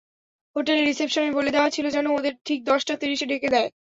হোটেলের রিসেপশনে বলে দেওয়া ছিল যেন ওদের ঠিক দশটা তিরিশে ডেকে দেয়।